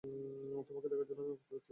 তোমাকে দেখার জন্য আমি অপেক্ষা করছি।